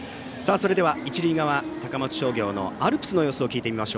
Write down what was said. それでは一塁側、高松商業のアルプスの様子を聞いてみます。